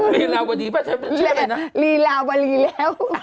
รีลาวดีใช่ไหมนะรีลาวดีแล้ว